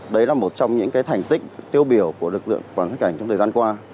đấy là một trong những thành tích tiêu biểu của lực lượng quản lý cảnh trong thời gian qua